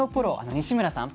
西村さん